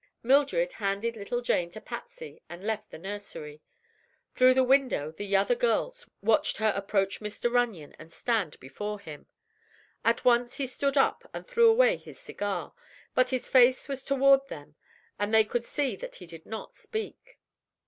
Mildred handed little Jane to Patsy and left the nursery. Through the window the other girls watched her approach Mr. Runyon and stand before him. At once he stood up and threw away his cigar, but his face was toward them and they could see that he did not speak.